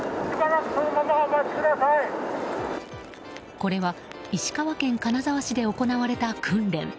これは石川県金沢市で行われた訓練。